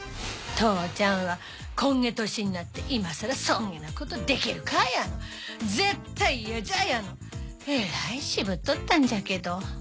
父ちゃんは「こんげ歳になって今さらそんげなことできるか」やの「絶対嫌じゃ」やのえらい渋っとったんじゃけど。